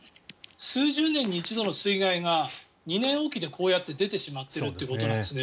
数十年に一度の水害が２年おきでこうやって出てしまっているということなんですね。